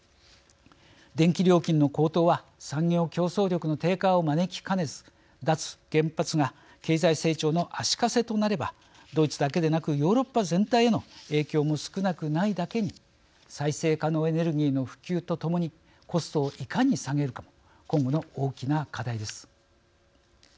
電気料金の高騰は産業競争力の低下を招きかねず脱原発が経済成長の足かせとなればドイツだけでなくヨーロッパ全体への影響も少なくないだけに再生可能エネルギーの普及とともにコストをいかに下げるかも今後の大きな課題です。